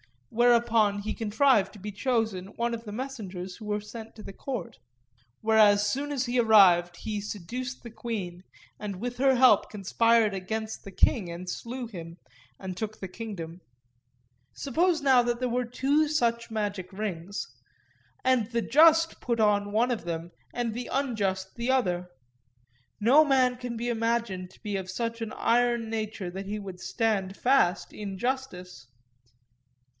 Whereupon he contrived to be chosen one of the messengers who were sent to the court; whereas soon as he arrived he seduced the queen, and with her help conspired against the king and slew him, and took the kingdom. Suppose now that there were two such magic rings, and the just put on one of them and the unjust the other; no man can be imagined to be of such an iron nature that he would stand fast in justice.